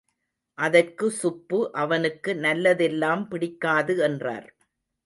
அதற்கு சுப்பு, அவனுக்கு நல்லதெல்லாம் பிடிக்காது என்றார்.